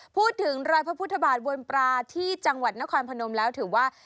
พูดถึงรอยพระพุทธบาทบนปลาที่จังหวัดนครพนมแล้วถือว่า